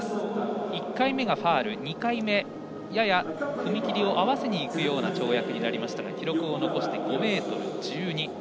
１回目がファウル２回目はやや踏み切りを合わせにいくような跳躍になりましたが記録を残して５ｍ１２。